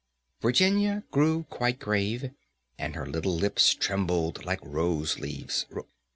Virginia grew quite grave, and her little lips trembled like rose leaves.